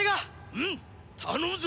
うん頼むぞ！